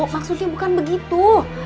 maksudnya bukan begitu